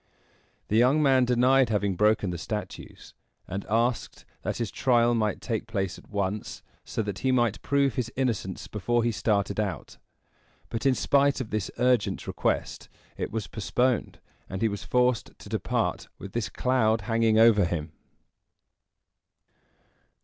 The young man denied having broken the statues, and asked that his trial might take place at once, so that he might prove his innocence before he started out; but, in spite of this urgent request, it was postponed, and he was forced to depart with this cloud hanging over him.